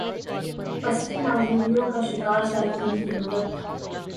بصری معذوریوں کا شکار صارفین کی مدد